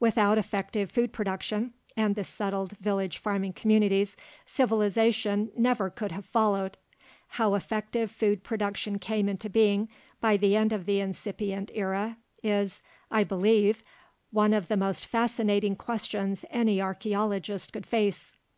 Without effective food production and the settled village farming communities, civilization never could have followed. How effective food production came into being by the end of the incipient era, is, I believe, one of the most fascinating questions any archeologist could face.